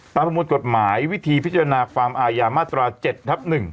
ประมวลกฎหมายวิธีพิจารณาความอายามาตรา๗ทับ๑